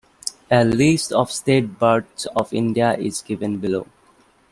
A list of state birds of India is given below.